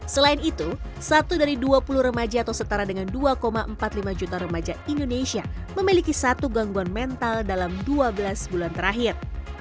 selain itu satu dari dua puluh remaja atau setara dengan dua empat puluh lima juta remaja indonesia memiliki satu gangguan mental dalam dua belas bulan terakhir